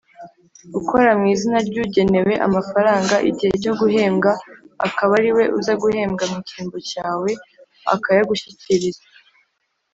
ukora mu izina ry’ugenewe amafaranga igihe cyo guhembwa akaba ariwe uza guhembwa mu cyimbo cyawe akayagushyikiriza.